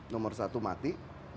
nomor satu mati